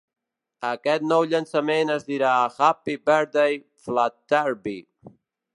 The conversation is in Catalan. Aquest nou llançament es dirà "Happy Birthday Flutterby".